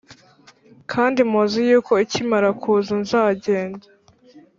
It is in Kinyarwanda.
kandi muzi yuko ikimara kuza nzagenda